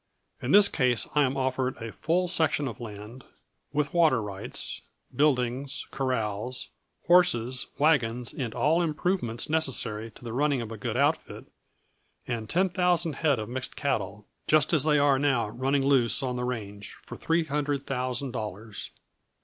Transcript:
In this case I am offered a full section of land, with water rights, buildings, corrals, horses, wagons and all improvements necessary to the running of a good outfit, and ten thousand head of mixed cattle, just as they are now running loose on the range, for three hundred thousand dollars.